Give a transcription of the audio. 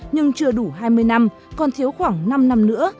nhưng chưa đủ hai mươi năm còn thiếu khoảng năm năm nữa